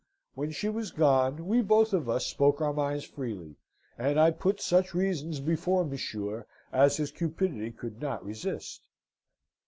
When she was gone, we both of us spoke our minds freely; and I put such reasons before monsieur as his cupidity could not resist.